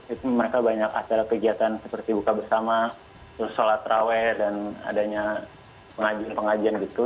itu mereka banyak acara kegiatan seperti buka bersama terus sholat raweh dan adanya pengajian pengajian gitu